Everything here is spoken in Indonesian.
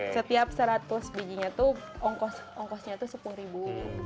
setiap seratus bijinya itu ongkosnya itu sepuluh